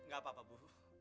gak apa apa bu